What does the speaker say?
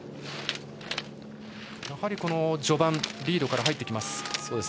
やはり序盤リードから入ってきます。